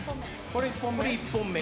これ１本目。